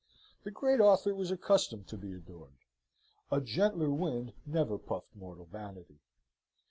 The great author was accustomed to be adored. A gentler wind never puffed mortal vanity.